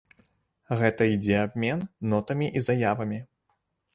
Гэта ідзе абмен нотамі і заявамі.